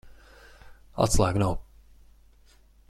Atslēgu nav.